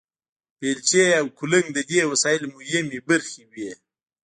بیلچې او کلنګ د دې وسایلو مهمې برخې وې.